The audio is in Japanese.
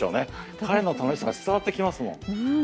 彼の楽しさが伝わってきますもん。